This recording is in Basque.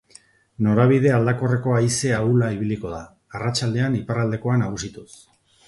Norabide aldakorreko haize ahula ibiliko da, arratsaldean iparraldekoa nagusituz.